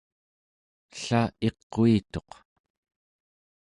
ella iquituq